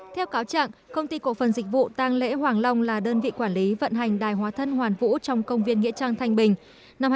theo cáo trạng công ty cổ phần dịch vụ tăng lễ hoàng long là đơn vị quản lý vận hành đài hóa thân hoàn vũ trong công viên nghĩa trang thanh bình